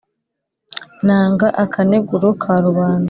Nanga akaneguro ka rubanda